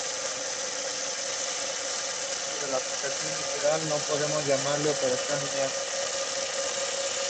En su interior se presenta un pequeño patio de armas y el aljibe.